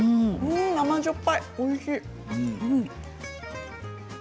甘じょっぱくておいしい。